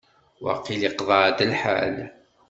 Waqil ad iqeɛɛed lḥal.